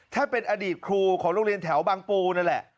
เป็นอดีตครูของโรงเรียนแถวบางปูนั่นแหละ